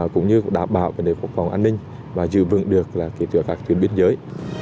cũng như đảm bảo về nơi phục vọng an ninh và giữ vững được kỳ tựa các tuyến biên giới